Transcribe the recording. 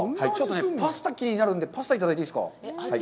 パスタが気になるのでパスタいただいていいですか。